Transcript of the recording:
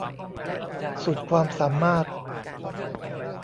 สุดความสามารถ